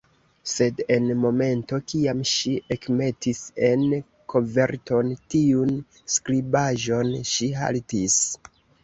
Sed, en momento kiam ŝi ekmetis en koverton tiun skribaĵon, ŝi haltis.